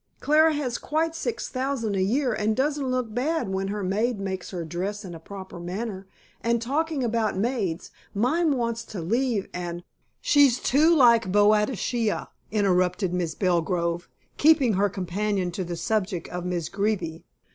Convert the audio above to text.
"Clara has quite six thousand a year, and doesn't look bad when her maid makes her dress in a proper manner. And, talking about maids, mine wants to leave, and " "She's too like Boadicea," interrupted Mrs. Belgrove, keeping her companion to the subject of Miss Greeby.